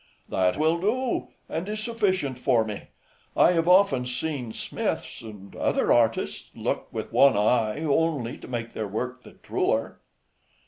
"That will do, and is sufficient for me; I have often seen smiths, and other artists, look with one eye only, to make their work the truer."